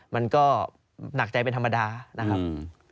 มันก็หนักใจเป็นธรรมดานะครับ